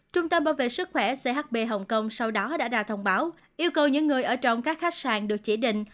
trung tâm bảo vệ sức khỏe chb hồng kông sau đó đã ra thông báo yêu cầu những người ở trong các khách sạn được chỉ định